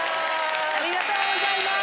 ありがとうございます。